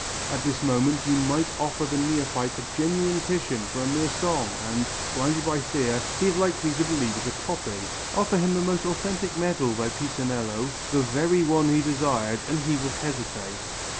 At this moment you might offer the neophyte a genuine Titian for a mere song and, blinded by fear, he is likely to believe it a copy; offer him the most authentic medal by Pisanello, the very one he desired, and he will hesitate.